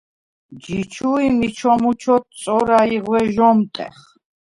ჯი ჩუ ი მიჩომუ ჩოთწორა ი ღვე ჟ’ომტეხ.